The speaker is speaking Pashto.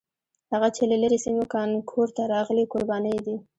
هغه چې له لرې سیمو کانکور ته راغلي کوربانه یې دي.